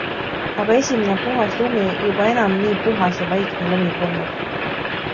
Aga esimene puhas lumi juba enam nii puhas ja vaikne lumi polnud.